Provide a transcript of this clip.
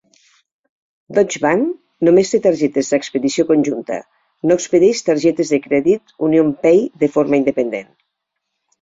Deutsche Bank només té targetes d'expedició conjunta, no expedeix targetes de crèdit UnionPay de forma independent.